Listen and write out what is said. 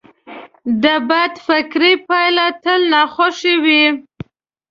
د بد فکر پایله تل ناخوښه وي.